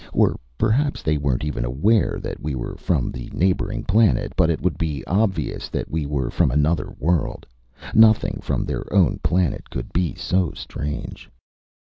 Or perhaps they weren't even aware that we were from the neighboring planet. But it would be obvious that we were from another world; nothing from their own planet could be so strange.